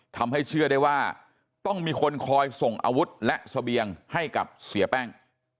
ทำให้เชื่อได้ว่าต้องมีคนคอยส่งอาวุธและเสบียงให้กับเสียแป้ง